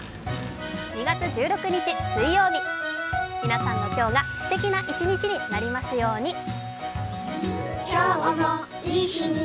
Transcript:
２月１６日水曜日皆さんの今日がすてきな一日になりますように。